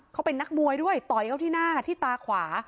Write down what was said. เขาเป็นนักมวยด้วยต่อยเขาที่หน้าที่ตาขวา